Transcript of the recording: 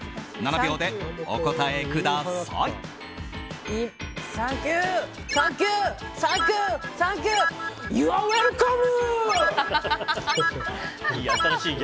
７秒でお答えください。